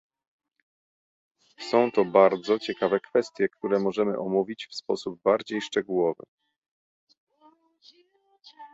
Są to bardzo ciekawe kwestie, które możemy omówić w sposób bardziej szczegółowy